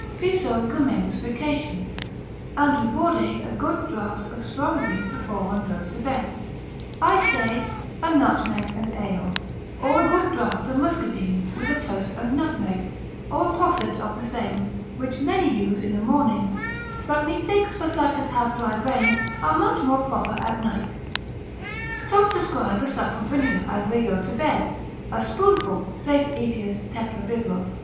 Piso commends frications, Andrew Borde a good draught of strong drink before one goes to bed; I say, a nutmeg and ale, or a good draught of Muscadine, with a toast and nutmeg, or a posset of the same, which many use in a morning, but methinks, for such as have dry brains, are much more proper at night; some prescribe a sup of vinegar as they go to bed, a spoonful, saith Aetius Tetrabib. lib.